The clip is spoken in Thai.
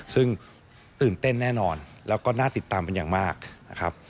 ซึ่งตื่นเต้นแน่นอนแล้วก็น่าติดตามเป็นอย่างมากนะครับ